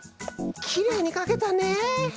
きれいにかけたね！